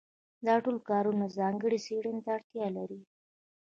دا ټول کارونه ځانګړې څېړنې ته اړتیا لري.